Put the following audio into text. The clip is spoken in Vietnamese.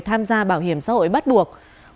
tham gia bảo hiểm xã hội bắt buộc